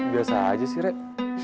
biasa aja sih rek